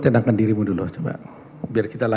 ini yang bagaimana bagaimana diri saya